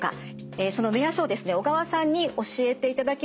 その目安をですね小川さんに教えていただきました。